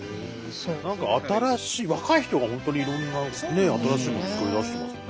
何か新しい若い人が本当にいろんな新しいものを作り出してますね。